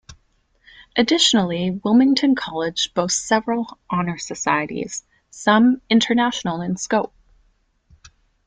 Additionally, Wilmington College boasts several honor societies, some international in scope.